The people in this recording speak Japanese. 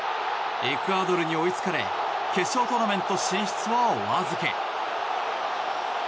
エクアドルに追いつかれ決勝トーナメント進出はお預け。